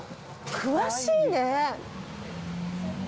詳しいね。